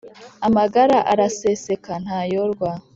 Amagara araseseka ntayorwa!